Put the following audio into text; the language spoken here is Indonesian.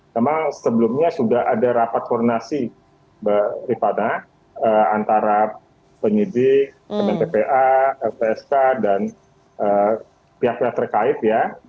karena sebelumnya sudah ada rapat koordinasi mbak rikana antara penyidik kementerian ppa lpsk dan pihak pihak terkait ya